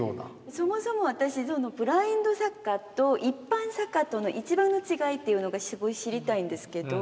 そもそも私ブラインドサッカーと一般サッカーとの一番の違いっていうのがすごい知りたいんですけど。